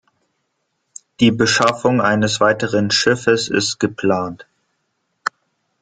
Die Beschaffung eines weiteren Schiffes ist geplant.